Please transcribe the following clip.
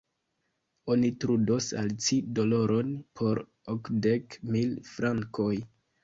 Oni trudos al ci doloron por okdek mil frankoj.